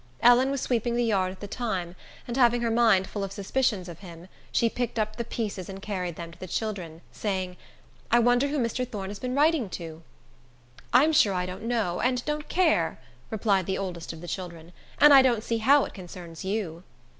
Ellen was sweeping the yard at the time, and having her mind full of suspicions of him, she picked up the pieces and carried them to the children, saying, "I wonder who Mr. Thorne has been writing to." "I'm sure I don't know, and don't care," replied the oldest of the children; "and I don't see how it concerns you."